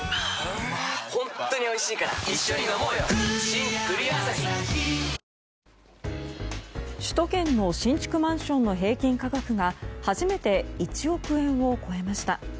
ホントにおいしいから一緒にのもうよ首都圏の新築マンションの平均価格が初めて１億円を超えました。